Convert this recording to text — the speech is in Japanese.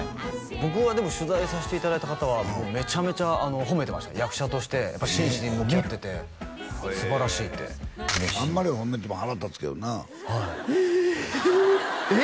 僕はでも取材させていただいた方はもうメチャメチャほめてました役者としてやっぱ真摯に向き合ってて素晴らしいってあんまりほめても腹立つけどなええっ！？